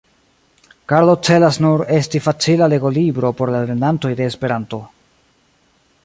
Karlo celas nur esti facila legolibro por la lernantoj de Esperanto.